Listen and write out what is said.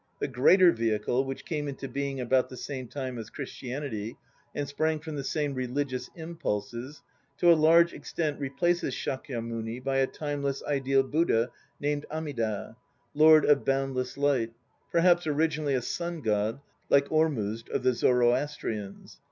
The "Greater Vehicle," which came into being about the same time as Christianity and sprang from the same religious impulses, to a large extent replaces Shakyamuni by a timeless, ideal Buddha named Amida, "Lord of Boundless Light," perhaps originally a sun god, like Ormuzd of the Zoroastrians.